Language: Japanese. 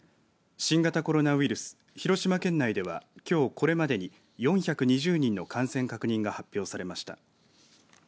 新型コロナウイルス広島県内では、きょうこれまでに４２０人の感染確認が発表されました。